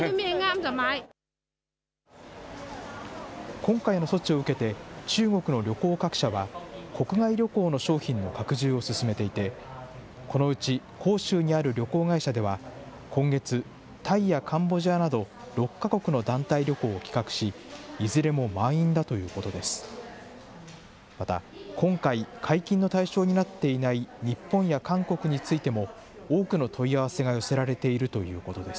今回の措置を受けて、中国の旅行各社は、国外旅行の商品の拡充を進めていて、このうち広州にある旅行会社では、今月、タイやカンボジアなど６か国の団体旅行を企画し、いずれも満員だということです。